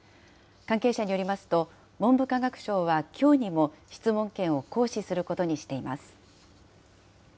関係者によりますと、文部科学省はきょうにも質問権を行使することにしています。